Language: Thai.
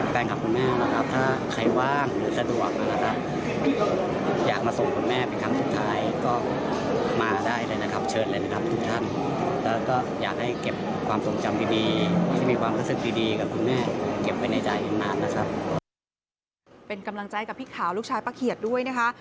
เป็นกำลังใจกับพี่ขาวลูกชายป้าเขียดด้วยนะคะ